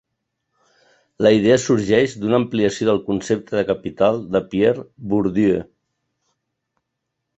La idea sorgeix d'una ampliació del concepte de capital de Pierre Bourdieu.